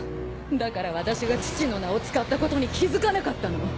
だから私が父の名を使ったことに気付かなかったの。